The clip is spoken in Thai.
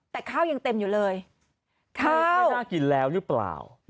แต่ข้าวยังเต็มอยู่เลยไม่น่ากินแล้วหรือเปล่า